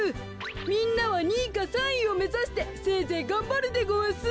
みんなは２いか３いをめざしてせいぜいがんばるでごわす。